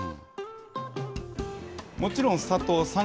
もちろん佐藤さん